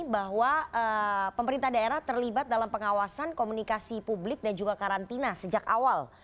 bahwa pemerintah daerah terlibat dalam pengawasan komunikasi publik dan juga karantina sejak awal